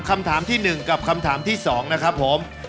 คำถามที่๑กับคำถามที่๒นะครับผม